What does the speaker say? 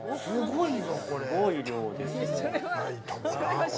すごい量ですね。